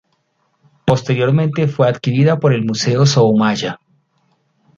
Posteriormente fue adquirida por el Museo Soumaya.